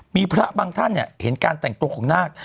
มีพระบางท่านเนี่ยเห็นการแต่งตรงของนาฬ